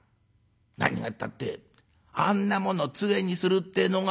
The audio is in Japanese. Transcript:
何がったってあんなものつえにするってえのが」。